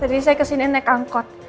tadi saya kesini naik angkot